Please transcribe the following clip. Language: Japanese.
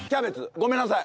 ごめんなさい。